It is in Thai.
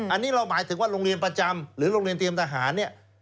อันนี้เราหมายถึงว่าโรงเรียนประจำหรือโรงเรียนเตรียมทหารเนี่ย